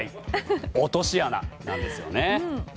落とし穴なんですよね。